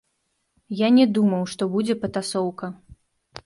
Я не думаў, што будзе патасоўка.